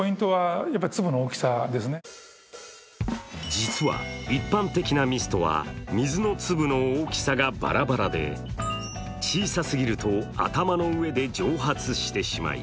実は一般的なミストは水の粒の大きさがばらばらで小さすぎると、頭の上で蒸発してしまい